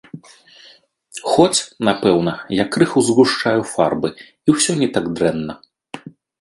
Хоць, напэўна, я крыху згушчаю фарбы, і ўсё не так дрэнна.